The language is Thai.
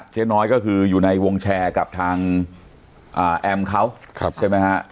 เจ๊น้อยก็คืออยู่ในวงแชร์กับทางแอมเขาใช่ไหมฮะ